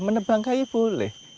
menebang kayu boleh